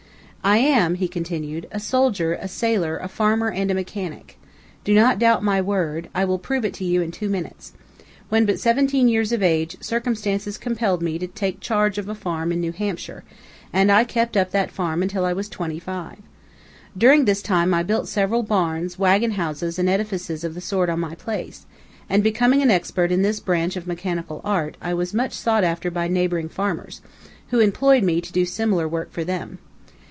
"I am," he continued, "a soldier, a sailor, a farmer, and a mechanic. Do not doubt my word; I will prove it to you in two minutes. When but seventeen years of age, circumstances compelled me to take charge of a farm in New Hampshire, and I kept up that farm until I was twenty five. During this time I built several barns, wagon houses, and edifices of the sort on my place, and, becoming expert in this branch of mechanical art, I was much sought after by the neighboring farmers, who employed me to do similar work for them.